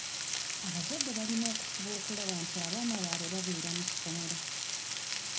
Abazadde balina okufuba okulaba nti abaana babwe babeera mu ssomero.